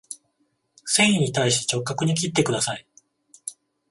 繊維に対して直角に切ってください